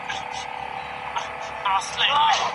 که بزګران عصري تخمونه وکاروي، نو حاصلات نه کمیږي.